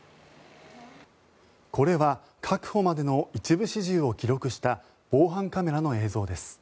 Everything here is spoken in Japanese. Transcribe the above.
これは確保までの一部始終を記録した防犯カメラの映像です。